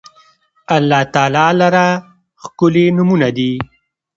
الله تعالی لره ښکلي نومونه دي